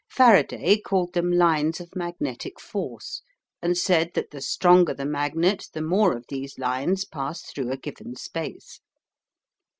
Faraday called them lines of magnetic force, and said that the stronger the magnet the more of these lines pass through a given space.